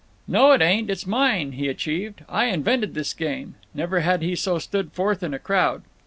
"No, it ain't—it's mine," he achieved. "I invented this game." Never had he so stood forth in a crowd.